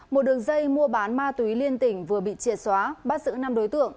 một đường dây mua bán ma túy liên tỉnh vừa bị triệt xóa bắt giữ năm đối tượng